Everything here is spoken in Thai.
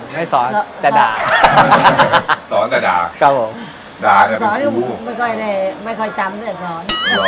ไม่สอนแต่ด่าสอนแต่ด่าครับผมด่าจะเป็นคู่ไม่ค่อยไม่ค่อยจำด้วยสอน